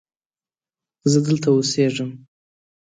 زه دلته اوسیږم